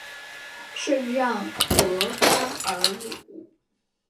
圣让德巴尔鲁。